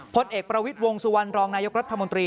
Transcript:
พลเอกประวิทย์วงสุวรรณรองนายกรัฐมนตรี